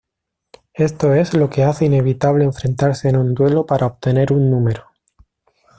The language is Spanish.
Esto es lo que hace inevitable enfrentarse en un duelo para obtener un Número.